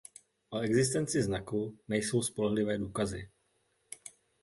O existenci znaku nejsou spolehlivé důkazy.